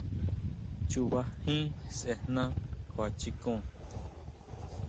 Chuba jín sʼejná kjuachikon.